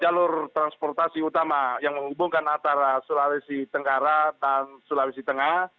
jalur transportasi utama yang menghubungkan antara sulawesi tenggara dan sulawesi tengah